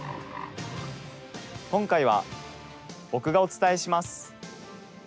今回は、僕がお伝えします。